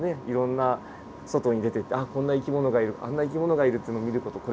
いろんな外に出てってああこんな生き物がいるあんな生き物がいるっていうのを見る事。